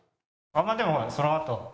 あっでもほらそのあと。